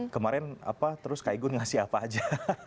kemarin apa terus kak igun ngasih apa aja